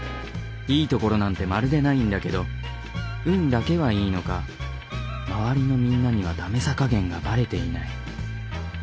いいところなんてまるでないんだけど運だけはいいのか周りのみんなにはダメさ加減がバレていない。